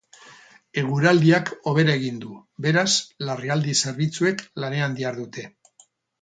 Eguraldiak hobera egin du, beraz, larrialdi zerbitzuek lanean dihardute.